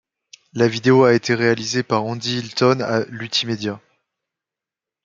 La vidéo a été réalisée par Andy Hylton à Lutimedia.